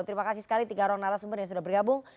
terima kasih sekali tiga orang narasumber yang sudah bergabung